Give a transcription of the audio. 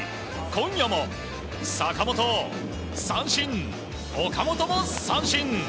今夜も坂本を三振岡本も三振。